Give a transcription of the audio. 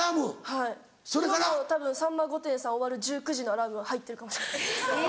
はい今日もたぶん『さんま御殿‼』さん終わる１９時のアラームが入ってるかもしれない。